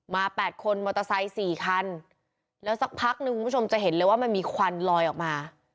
แปดคนมอเตอร์ไซค์สี่คันแล้วสักพักนึงคุณผู้ชมจะเห็นเลยว่ามันมีควันลอยออกมา